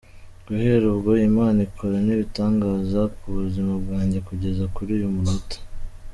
Guhera ubwo Imana ikora n’ibitangaza ku buzima bwanjye kugeza kuri uyu munota.